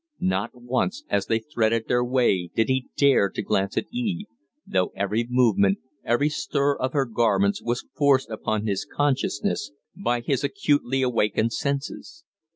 Not once, as they threaded their way, did he dare to glance at Eve, though every movement, every stir of her garments, was forced upon his consciousness by his acutely awakened senses.